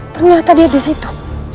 ternyata dia disitu